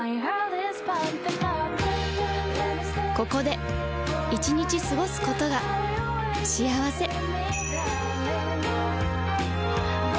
ここで１日過ごすことが幸せ